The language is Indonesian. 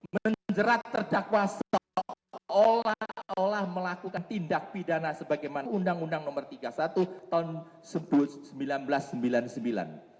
menjerat terdakwa seolah olah melakukan tindak pidana sebagaimana undang undang no tiga puluh satu tahun seribu sembilan ratus sembilan puluh sembilan